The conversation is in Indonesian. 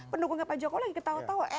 pendukungnya pak jokowi lagi ketawa tawa